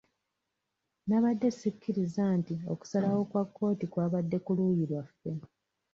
Nabadde sikiriza nti okusalawo kwa kkooti kwabadde ku luuyi lwaffe.